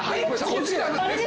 こちら。